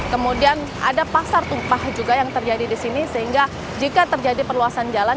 kemudian ada pasar tumpah juga yang terjadi di sini sehingga jika terjadi perluasan jalan